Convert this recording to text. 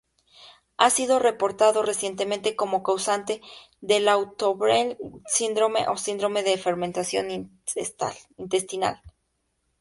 Ha sido reportado recientemente como causante del "Auto-brewery syndrome" o Síndrome de Fermentación Intestinal.